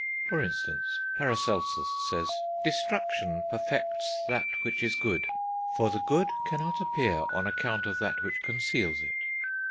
For instance, Paracelsus says: "Destruction perfects that which is good; for the good cannot appear on account of that which conceals it."